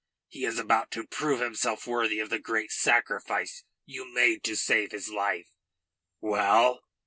He is about to prove himself worthy of the great sacrifice you made to save his life. Well?"